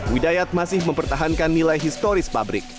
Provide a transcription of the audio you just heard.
widayat masih mempertahankan nilai historis pabrik